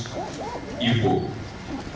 komisaris independen henryus ibu